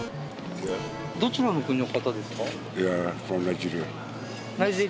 どちらの国の方ですか？